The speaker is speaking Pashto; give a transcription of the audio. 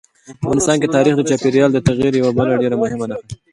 افغانستان کې تاریخ د چاپېریال د تغیر یوه بله ډېره مهمه نښه ده.